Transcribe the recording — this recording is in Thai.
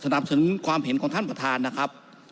นับสนความเห็นของท่านประธานนะครับ